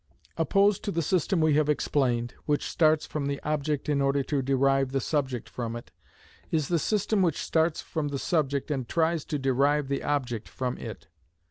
Opposed to the system we have explained, which starts from the object in order to derive the subject from it, is the system which starts from the subject and tries to derive the object from it.